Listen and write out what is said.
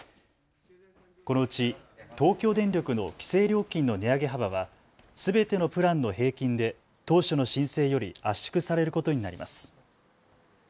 このうち東京電力の規制料金の値上げ幅はすべてのプランの平均で当初の申請より圧縮されることになります。